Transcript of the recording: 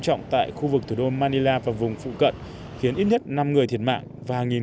trọng tại khu vực thủ đô manila và vùng phụ cận khiến ít nhất năm người thiệt mạng và